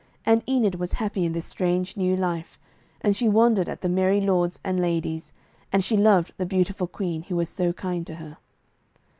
And Enid was happy in this strange new life, and she wondered at the merry lords and ladies, and she loved the beautiful Queen, who was so kind to her.